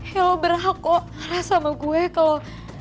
ya lo berhak kok ngeras sama gue kalo